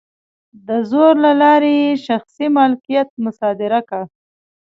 د زور له لارې یې شخصي مالکیت مصادره کړ.